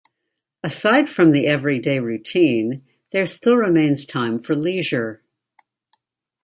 Aside from the everyday routine, there still remains time for leisure.